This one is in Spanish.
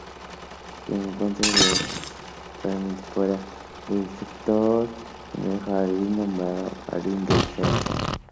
Se encuentran realmente fuera de este sector, en el jardín nombrado "jardín del cedro".